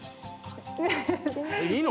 えいいの？